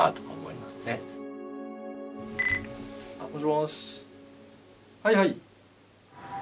はいはい。